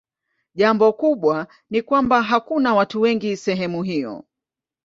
Jambo kubwa ni kwamba hakuna watu wengi sehemu hiyo.